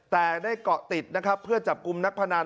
แต่ได้เกาะติดนะครับเพื่อจับกลุ่มนักพนัน